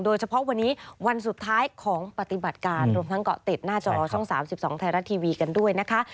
โดยเฉพาะวันนี้วันสุดท้ายของปฏิบัติการรวมทั้งเกาะติดหน้าจอช่อง๓๒ไทยรัฐทีวีกันด้วยนะคะ